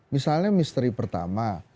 misalnya misteri pertama